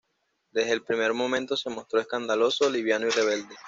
Desde el primer momento se mostró escandaloso, liviano y rebelde.